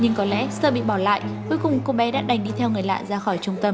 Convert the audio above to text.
nhưng có lẽ sợ bị bỏ lại cuối cùng cô bé đã đành đi theo người lạ ra khỏi trung tâm